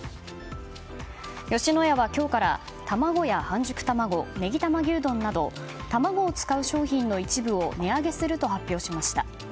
吉野家は今日から玉子や半熟卵、ねぎ玉牛丼など卵を使う商品の一部を値上げすると発表しました。